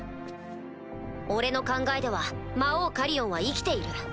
俺の考えでは魔王カリオンは生きている。